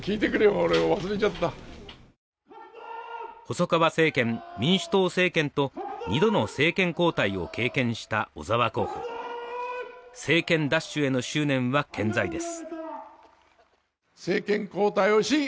細川政権民主党政権と２度の政権交代を経験した小沢候補政権奪取への執念は健在です